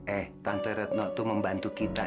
eh tante retno itu membantu kita